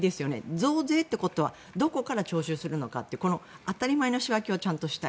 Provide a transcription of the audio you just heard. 増税ってことはどこから徴収するのかこの当たり前の仕分けをちゃんとしたい。